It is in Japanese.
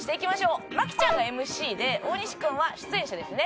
麻貴ちゃんがＭＣで大西君は出演者ですね。